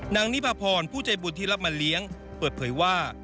นิพาพรผู้ใจบุญที่รับมาเลี้ยงเปิดเผยว่า